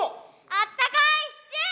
あったかいシチュー！